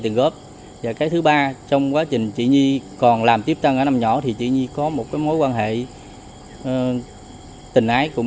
tiền góp và cái thứ ba trong quá trình chị nhi đi làm tiếp viên và cũng có bán số và cũng cho dây tiền góp và cái thứ ba trong quá trình chị nhi đi đi làm tiếp viên và cũng có bán số và cũng cho dây tiền góp và cái thứ ba trong